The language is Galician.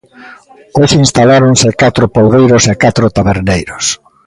Hoxe instaláronse catro polbeiros e catro taberneiros.